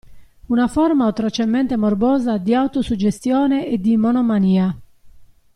Una forma atrocemente morbosa di autosuggestione e di monomania.